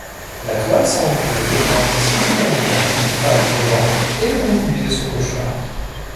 La toile semble dépeindre simultanément une femme rêvant et le contenu de son cauchemar.